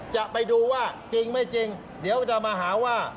จะไปดูว่าจริงไม่จริงเดี๋ยวจะมาหาว่า